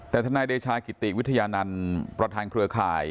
แต่ทนายเดชากิติวิทยานันต์ประธานเครือข่าย